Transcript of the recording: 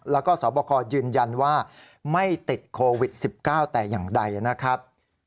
แล้วก็สอบคอยืนยันว่าไม่ติดโควิด๑๙แต่อย่างใดนะครับ